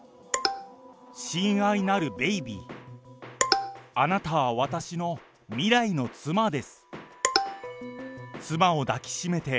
親愛なるベイビー、あなたは私の未来の妻です。